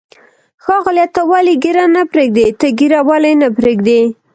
ښاغلیه، ته ولې ږیره نه پرېږدې؟ ته ږیره ولې نه پرېږدی؟